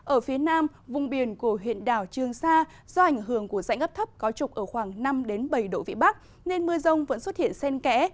ở phía nam vùng biển của huyện đảo trương sa do ảnh hưởng của dãy ngắp thấp có trục ở khoảng năm bảy độ vị bắc nên mưa rông vẫn xuất hiện sen kẽ